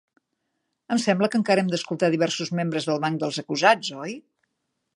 Em sembla que encara hem d'escoltar diversos membres del banc dels acusats, oi?